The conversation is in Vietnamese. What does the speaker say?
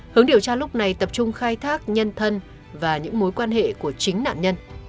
hướng điều tra lúc này tập trung khai thác nhân thân và những mối quan hệ của chính nạn nhân